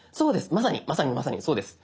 まさにまさにまさにそうです。